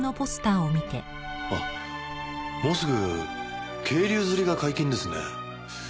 あっもうすぐ渓流釣りが解禁ですね。